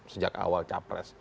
sejak awal capres